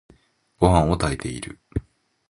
ごはんを炊いている。